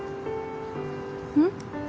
うん？